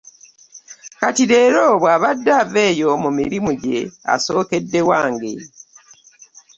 Kati leero bw'abadde ava eyo mu mirimu gye, asookedde wange.